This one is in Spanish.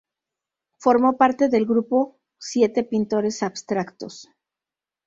Formó parte del grupo Siete Pintores Abstractos.